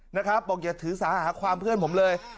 นะครับบอกอย่าถือสาหาความเพื่อนผมเลย